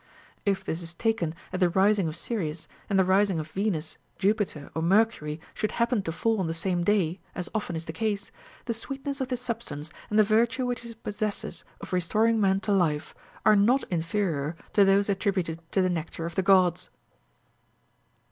If this is taken at the rising of Sirius, and the rising of Yenus, Jupiter, or Mercury should happen to fall on the same day, as often is the case, the sweetness of this substance, and the virtue which it possesses of restoring men to life, are not inferior to those attributed to the nectar of the gods.